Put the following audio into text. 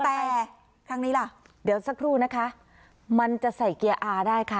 แต่ครั้งนี้ล่ะเดี๋ยวสักครู่นะคะมันจะใส่เกียร์อาได้ค่ะ